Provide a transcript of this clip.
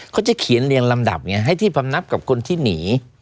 เขาจะเขียนเรียงลำดับไงให้ที่พำนับกับคนที่หนี